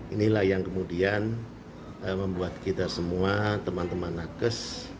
inilah yang kemudian membuat kita semua teman teman nakes